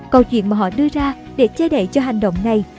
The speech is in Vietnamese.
câu chuyện mà họ đưa ra để che đậy cho hành động này